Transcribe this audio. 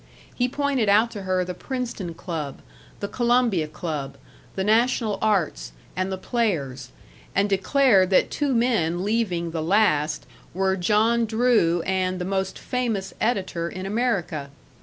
He pointed out to her the Princeton Club, the Columbia Club, the National Arts, and the Players', and declared that two men leaving the last were John Drew and the most famous editor in America.